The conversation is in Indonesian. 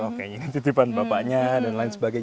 oh kayaknya ini titipan bapaknya dan lain sebagainya